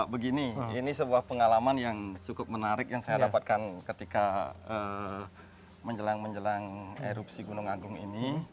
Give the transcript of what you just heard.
begini ini sebuah pengalaman yang cukup menarik yang saya dapatkan ketika menjelang menjelang erupsi gunung agung ini